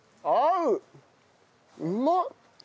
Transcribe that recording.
うまっ！